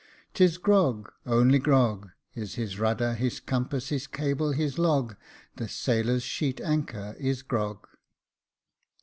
'Tis grog, only grog. Is his rudder, his compass, his cable, his log, The sailor's sheet anchor is grog."